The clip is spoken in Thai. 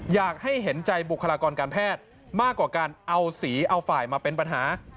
อยากให้เห็นใจบุคลากรการแพทย์มากกว่าการเอาสีเอาฝ่ายมาเป็นปัญหา